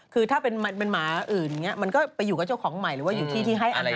คือถ้าเป็นหมาอื่นมันก็ไปอยู่กับเจ้าของใหม่หรือว่าอยู่ที่ให้อาหาร